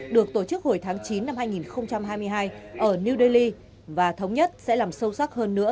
được tổ chức hồi tháng chín năm hai nghìn hai mươi hai ở new delhi và thống nhất sẽ làm sâu sắc hơn nữa